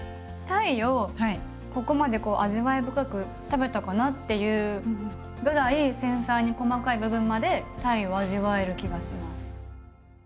鯛をここまで味わい深く食べたかなっていうぐらい繊細に細かい部分まで鯛を味わえる気がします。